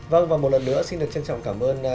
vâng và một lần nữa xin được trân trọng cảm ơn